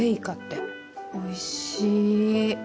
おいしい。